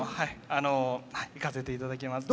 行かせていただきます。